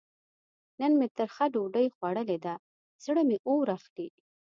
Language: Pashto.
نن مې ترخه ډوډۍ خوړلې ده؛ زړه مې اور اخلي.